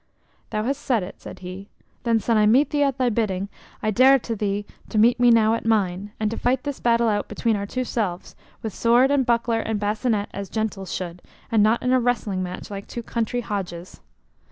"Thou hast said it," said he. "Then sin. I met thee at thy bidding, I dare to thee to meet me now at mine, and to fight this battle out between our two selves, with sword and buckler and bascinet as gentles should, and not in a wrestling match like two country hodges."